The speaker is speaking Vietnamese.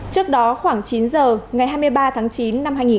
trước đó khoảng chín giờ ngày hai mươi ba tháng chín